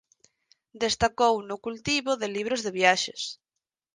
Destacou no cultivo de libros de viaxes.